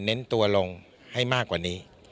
เน้นตัวลงให้มากกว่านี้